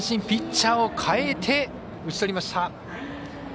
ピッチャーを代えて打ち取りました。